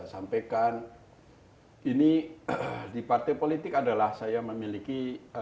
sampaikan ini di partai politik adalah saya memiliki